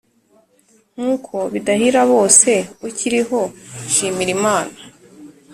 nk’uko bidahira bose, ukiriho shimira imana,